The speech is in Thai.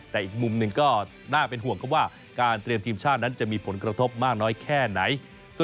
แต่อีกมุมหนึ่งก็น่าเป็นห่วงครับว่าการเตรียมทีมชาตินั้นจะมีผลกระทบมากน้อยแค่ไหน